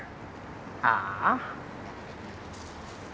ああ。